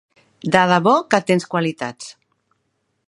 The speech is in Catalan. De debò que tens qualitats.